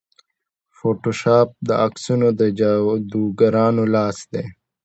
فوټوشاپ د عکسونو د جادوګرانو لاس دی.